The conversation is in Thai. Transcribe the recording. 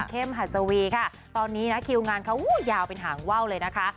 คุณเข้มหัสวีตอนนี้คิวงานเขายาวเป็นหางเว้าเลยนะคะ